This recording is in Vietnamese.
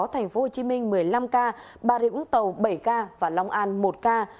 tp hcm một mươi năm ca bà rịa vũng tàu bảy ca và long an một ca